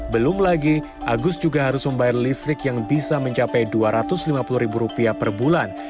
belum lagi agus juga harus membayar listrik yang bisa mencapai dua ratus lima puluh ribu rupiah per bulan